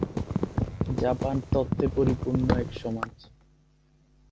Japan তথ্যে পরিপূর্ণ এক সমাজ।